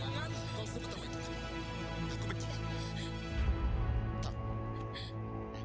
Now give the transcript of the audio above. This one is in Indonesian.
ratu kau bisa